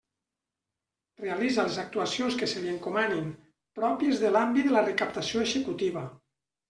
Realitza les actuacions que se li encomanin pròpies de l'àmbit de la recaptació executiva.